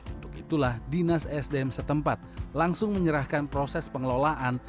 untuk itulah dinas sdm setempat langsung menyerahkan proses pengelolaan